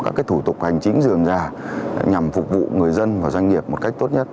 các thủ tục hành trí dường ra nhằm phục vụ người dân và doanh nghiệp một cách tốt nhất